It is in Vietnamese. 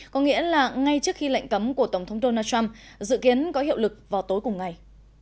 có nghĩa là ngay trước khi lệnh cấm của tổng thống donald trump dự kiến có hiệu lực vào tối cùng ngày